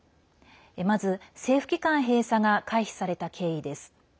まず、政府機関閉鎖が回避された経緯です。